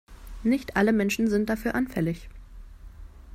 Nicht alle Menschen sind dafür anfällig.